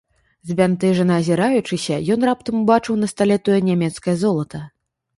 Збянтэжана азіраючыся, ён раптам убачыў на стале тое нямецкае золата.